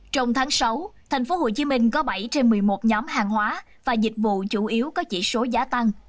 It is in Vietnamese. trong tháng sáu tp hcm có bảy trên một mươi một nhóm hàng hóa và dịch vụ chủ yếu có chỉ số giá tăng